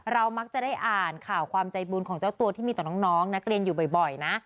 มักจะได้อ่านข่าวความใจบุญของเจ้าตัวที่มีต่อน้องนักเรียนอยู่บ่อยนะ